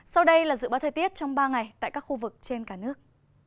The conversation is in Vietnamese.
sau đây là dự báo thời tiết trong ba ngày tại các khu vực trên cả nước